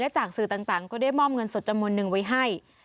จากสื่อต่างก็ได้มอบเงินสดจำนวนนึงไว้ให้